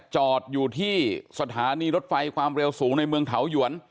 จอดอยู่ที่สถานีรถไฟความเร็วสูงในเมืองเถาหยวน